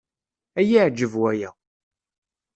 Ad iyi-εǧeb waya.